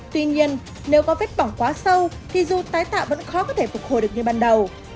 tuy nhiên nếu có vết bỏng quá sâu thì dù tái tạo vẫn khó có thể phục hồi được như ban đầu